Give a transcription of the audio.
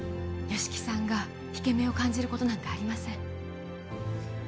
吉木さんが引け目を感じることなんてありません